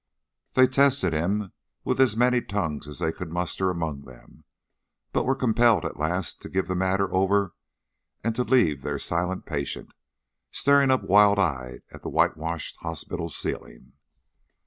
They tested him with as many tongues as they could muster among them, but were compelled at last to give the matter over and to leave their silent patient, still staring up wild eyed at the whitewashed hospital ceiling.